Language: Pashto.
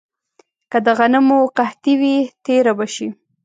که د غنمو قحطي وي، تېره به شي.